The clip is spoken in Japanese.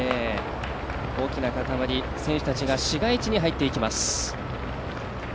大きなかたまり、選手たちが市街地に入っていきます。